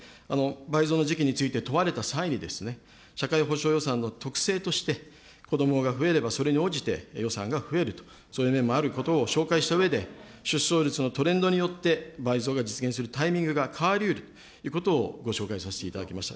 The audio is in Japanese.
倍増の時期について問われた際にですね、社会保障予算の特性として、子どもが増えればそれに応じて予算が増えると、そういう面もあることを紹介したうえで、出生率のトレンドによって倍増が実現するタイミングが変わりうるということをご紹介させていただきました。